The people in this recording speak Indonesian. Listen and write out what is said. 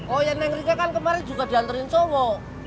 oh ya neng rika kan kemaren juga diantrin cowok